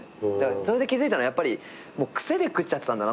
それで気付いたのは癖で食っちゃってたんだなって。